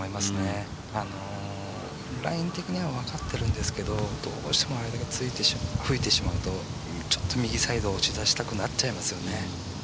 ライン的には分かってるんですけどどうしてもあれだけ吹いてしまうとちょっと右サイドに打ち出したくなっちゃいますよね。